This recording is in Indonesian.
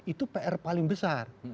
itu pr paling besar